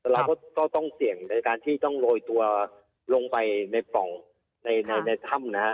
เราก็ต้องเสี่ยงในการที่ต้องโรยตัวลงไปในปล่องในถ้ำนะฮะ